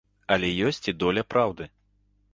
Але ёсць і доля праўды.